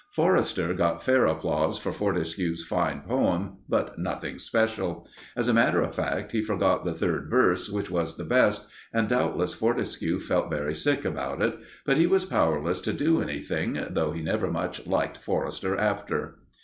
Forrester got fair applause for Fortescue's fine poem, but nothing special. As a matter of fact, he forgot the third verse, which was the best, and doubtless Fortescue felt very sick about it; but he was powerless to do anything, though he never much liked Forrester after.